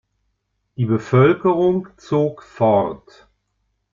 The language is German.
Die Bevölkerung zog fort.